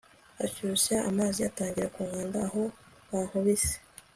ashyushya amazi atangira kunkanda aho bankubise